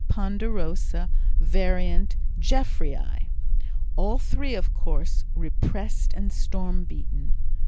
ponderosa, var. Jeffreyi—all three, of course, repressed and storm beaten.